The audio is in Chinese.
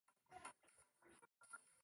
二硝基苯酚